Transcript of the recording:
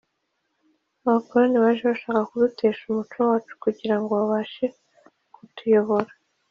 Abakoroni baje bashaka kudutesha umuco wacu kugirango babashe kutuyobora